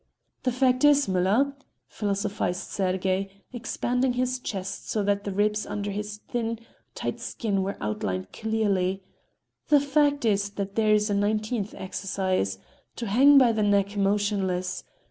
"The fact is, Müller," philosophized Sergey, expanding his chest so that the ribs under his thin, tight skin were outlined clearly,—"the fact is, that there is a nineteenth exercise—to hang by the neck motionless.